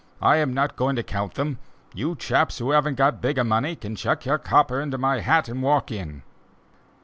I am not going to count them! you chaps who haven't bigger money can chuck your copper into my hat and walk in."